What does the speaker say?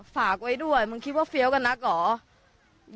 ฝากไว้ด้วยมึงคิดว่าเฟี้ยวกันนักเหรอ